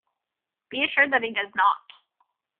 Be assured that he does not!